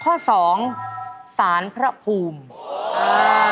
ข้อสองศาลพระภูมิ